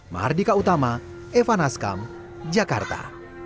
mahardika utama evan naskam jakarta